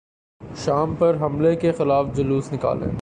شام پر حملے کیخلاف جلوس نکالیں